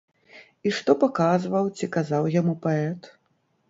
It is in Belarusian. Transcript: І што паказваў ці казаў яму паэт?